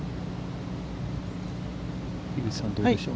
樋口さん、どうでしょう。